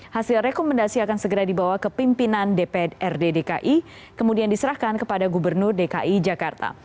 hasil rekomendasi akan segera dibawa ke pimpinan dprd dki kemudian diserahkan kepada gubernur dki jakarta